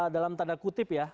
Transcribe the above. dalam tanda kutip ya